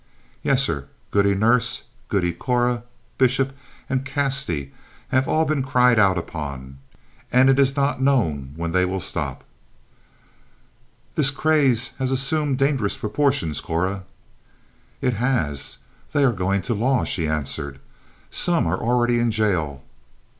"Yes, sir. Goody Nurse, Goody Corey, Bishop and Casty have all been cried out upon, and it is not known when they will stop." "This craze has assumed dangerous proportions, Cora." "It has. They are going to law," she answered. "Some are already in jail."